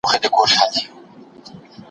تر څپاند هلمنده